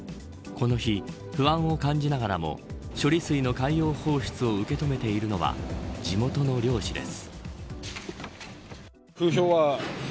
この日、不安を感じながらも処理水の海洋放出を受け止めているのは地元の漁師です。